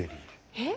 えっ？